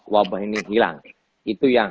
wabah ini hilang itu yang